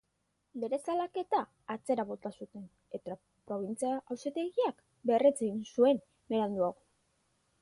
Bere salaketa atzera bota zuten eta probintzia auzitegiak berretsi egin zuen beranduago.